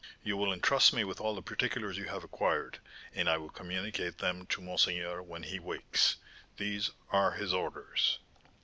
You will entrust me with all the particulars you have acquired, and I will communicate them to monseigneur when he wakes. These are his orders."